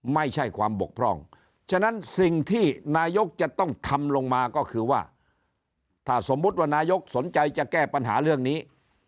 ไม่ใช่ความบกพร่องฉะนั้นสิ่งที่นายกจะต้องทำลงมาก็คือว่าถ้าสมมุติว่านายกสนใจจะแก้ปัญหาเรื่องนี้